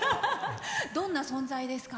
どんな存在ですか？